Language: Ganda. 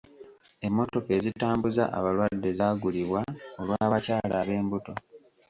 Emmotoka ezitambuza abalwadde zaagulibwa olw'abakyala ab'embuto.